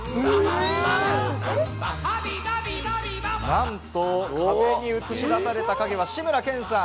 なんと壁に映し出された影は、志村けんさん！